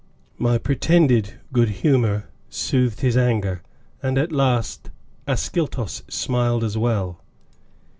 My pretended good humor soothed his anger, and at last, Ascyltos smiled as well.